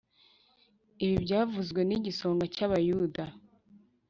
Ibi byavuzwe n’igisonga cy’ abayuda